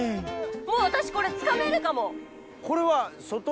もう私これつかめるかも！